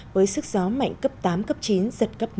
với sức gió mạnh cấp tám cấp chín giật cấp một mươi hai